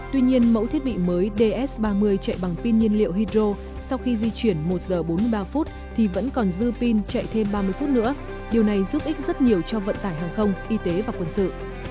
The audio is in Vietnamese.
tuy nhiên mẫu thiết bị mới ds ba mươi chạy bằng pin nhiên liệu hydro sau khi di chuyển một giờ bốn mươi ba phút thì vẫn còn dư pin chạy thêm ba mươi phút nữa điều này giúp ích rất nhiều cho vận tải hàng không y tế và quân sự